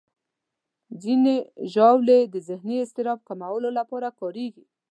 ځینې ژاولې د ذهني اضطراب کمولو لپاره کارېږي.